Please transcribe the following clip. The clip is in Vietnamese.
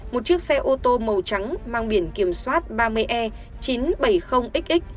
một chiếc xe ô tô màu trắng mang biển kiểm soát ba mươi e chín trăm bảy mươi xx